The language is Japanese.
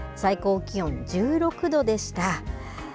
最高気温１６度でした。